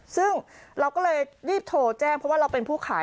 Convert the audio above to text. ซึ่งเราก็เลยรีบโทรแจ้งเพราะว่าเราเป็นผู้ขาย